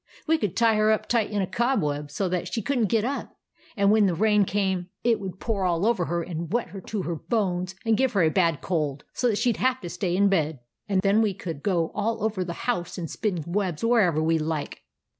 We could tie her up tight in a cobweb so that she could n't get up ; and then when the rain came it would pour all over her and wet her to the bones, and give her a bad cold, so that she 'd have to stay in bed ; and then we could go all over the house and spin webs wherever we like."